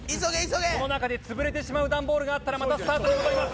この中で潰れてしまう段ボールがあったらまたスタートに戻ります。